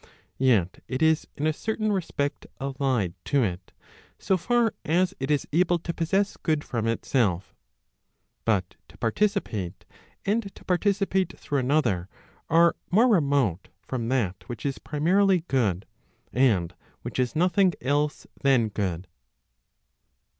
Yet it is in a certain respect allied to it, so far as it is able to possess good from itself. But to participate, and to participate through another, are more remote from that which ist primarily good, and which is nothing else than good.